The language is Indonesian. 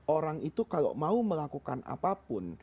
orang itu kalau mau melakukan apapun